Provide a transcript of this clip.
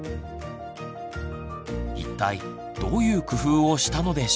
一体どういう工夫をしたのでしょうか？